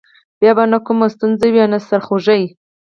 بیا به نه کومه ستونزه وي او نه سر خوږی.